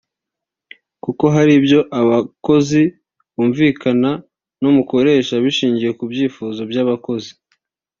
kuko hari ibyo abakozi bumvikanaho n’umukoresha bishingiye ku byifuzo by’abakozi